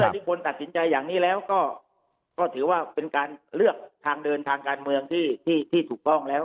ที่คนตัดสินใจอย่างนี้แล้วก็ถือว่าเป็นการเลือกทางเดินทางการเมืองที่ถูกต้องแล้ว